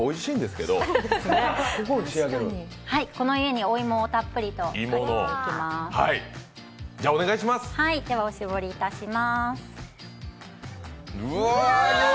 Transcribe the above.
この上にお芋をたっぷりとかけます。